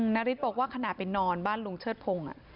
นาริสบอกว่าขณะไปนอนบ้านลุงเชิดพงศ์